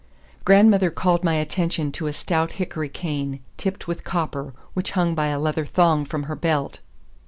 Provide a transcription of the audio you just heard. Grandmother called my attention to a stout hickory cane, tipped with copper, which hung by a leather thong from her belt.